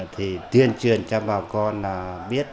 thì tuyên truyền cho bà con biết